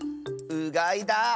うがいだ！